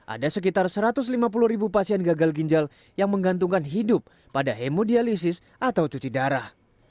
ada sekitar satu ratus lima puluh ribu pasien gagal ginjal yang menggantungkan hidup pada hemodialisis atau cuci darah